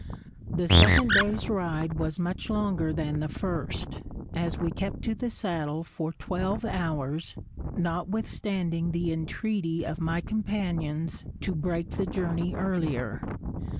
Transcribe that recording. The second day's ride was much longer than the first, as we kept to the saddle for twelve hours, notwithstanding the entreaty of my companions to break the journey earlier.